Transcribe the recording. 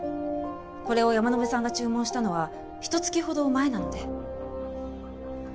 これを山野辺さんが注文したのはひと月ほど前なので。